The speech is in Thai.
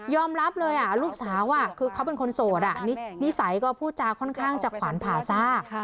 รับเลยลูกสาวคือเขาเป็นคนโสดนิสัยก็พูดจาค่อนข้างจะขวานผ่าซาก